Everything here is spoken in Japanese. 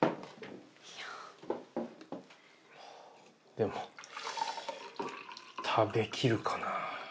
でも食べきるかな？